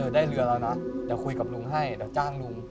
ได้เรือแล้วนะเดี๋ยวคุยกับลุงให้เดี๋ยวจ้างลุง